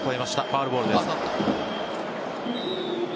ファウルボールです。